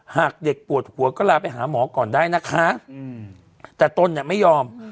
หากเด็กปวดหัวก็ลาไปหาหมอก่อนได้นะคะแต่ตนเนี่ยไม่ยอม